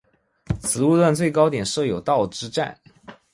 此路段最高点设有道之站。